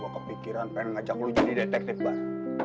aku kepikiran pengen ngajak lu jadi detektif mbak